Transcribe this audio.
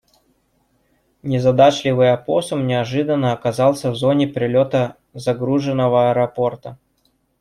Незадачливый опоссум неожиданно оказался в зоне прилета загруженного аэропорта.